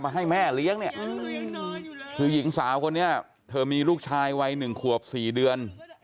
หญิงสาวคนนี้เธอมีลูกชายไว้๑ขวบ๔เดือน